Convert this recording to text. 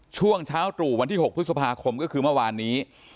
ช่วงเช้าตรู่วันที่๖พฤษภาคมก็คือเมื่อวานนี้